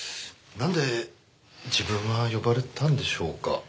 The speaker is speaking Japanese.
なんで自分は呼ばれたんでしょうか？